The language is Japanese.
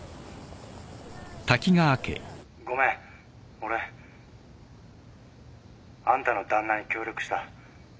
俺あんたの旦那に協力した。